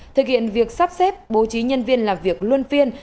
thực hiện việc sắp xếp bố trí nhân viên làm việc luân phiên